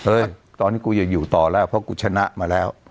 ตอนนี้กูจะอยู่ต่อแล้วเพราะกูชนะมาแล้ว